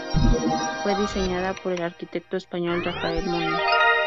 Fue diseñada por el arquitecto español Rafael Moneo.